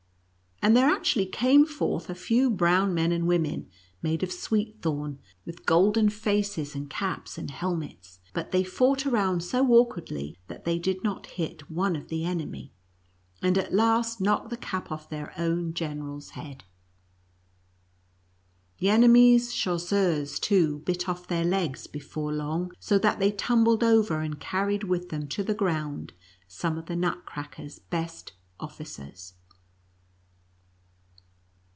And there actually came forth a few brown men and women, made of sweet thorn, with golden faces, and caps, and helmets, but they fought around so awkwardly, that they did not hit one of the enemy, and at last knocked the cap off their own general's head. The ene mies' chasseurs, too, bit off their legs before long, so that they tumbled over, and carried with them to the ground some of Nutcracker's best officers.